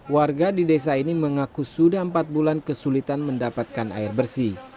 warga di desa ini mengaku sudah empat bulan kesulitan mendapatkan air bersih